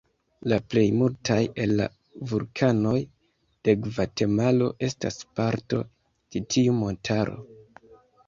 La plej multaj el la vulkanoj de Gvatemalo estas parto de tiu montaro.